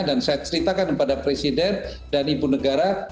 dan saya ceritakan kepada presiden dan ibu negara